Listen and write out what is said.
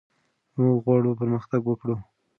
موږ غواړو پرمختګ وکړو.